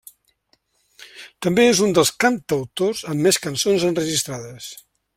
També és un dels cantautors amb més cançons enregistrades.